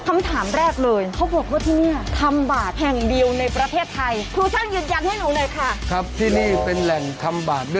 คำถามแรกเลยเขาบอกว่าที่นี่คำบาท